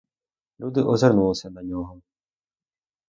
Люди озирнулися на його.